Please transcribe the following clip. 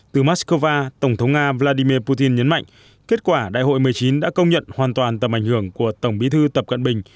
từ moscow tổng thống nga vladimir putin nhấn mạnh kết quả đại hội một mươi chín đã công nhận hoàn toàn tầm ảnh hưởng của tổng bí thư tập cận bình